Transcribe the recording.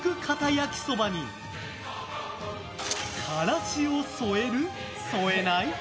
焼きそばにからしを添える？添えない？